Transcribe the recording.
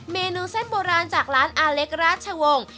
เมนูเส้นโบราณจากร้านอาเล็กราชวงศ์